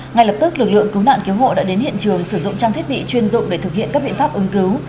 ngay lập tức lực lượng cứu nạn cứu hộ đã đến hiện trường sử dụng trang thiết bị chuyên dụng để thực hiện các biện pháp ứng cứu